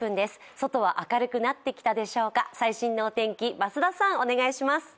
外は明るくなってきたでしょうか、最新のお天気お願いします